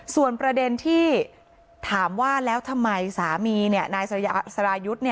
ส่วนประเด็นที่ถามว่าแล้วทำไมสามีนายสรายุทธ์